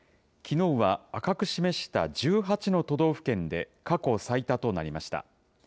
きのうは赤く示した１８の都道府県で過去最多となりました。